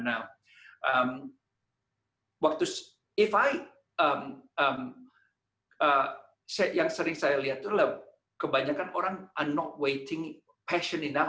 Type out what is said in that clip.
now waktu if i yang sering saya lihat adalah kebanyakan orang are not waiting passion enough